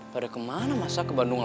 pada kemana masa ke bandung